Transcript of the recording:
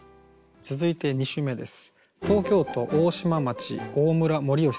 続いて２首目です。